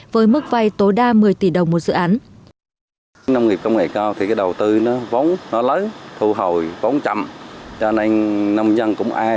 với mức vay tối đa một mươi tỷ đồng một dự án